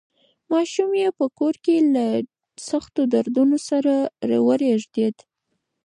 ماشوم یې په کور کې له سختو دردونو سره وزېږېد.